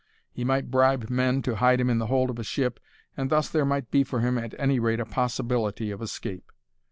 He might bribe men to hide him in the hold of a ship, and thus there might be for him, at any rate, a possibility of escape.